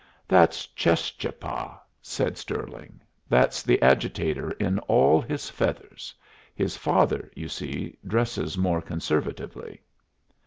"That's Cheschapah," said Stirling. "That's the agitator in all his feathers. His father, you see, dresses more conservatively."